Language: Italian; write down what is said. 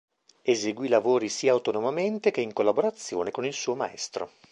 Eseguì lavori sia autonomamente che in collaborazione con il suo maestro.